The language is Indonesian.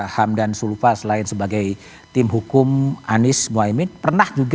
hamdan sulufa selain sebagai tim hukum anies mohaimin pernah juga